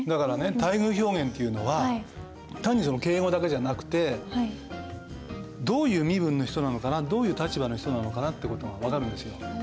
待遇表現っていうのは単に敬語だけじゃなくてどういう身分の人なのかなどういう立場の人なのかなって事が分かるんですよ。